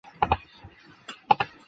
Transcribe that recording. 有子张缙。